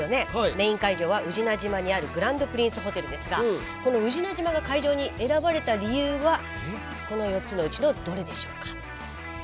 メイン会場は宇品島にあるグランドプリンスホテルですがこの宇品島が会場に選ばれた理由はこの４つのうちのどれでしょうか？